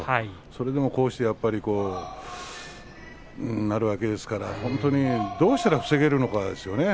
それでも、こうして感染するわけですからどうしたら防げるかですよね。